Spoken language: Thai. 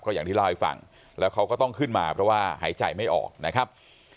อย่างที่เล่าให้ฟังแล้วเขาก็ต้องขึ้นมาเพราะว่าหายใจไม่ออกนะครับ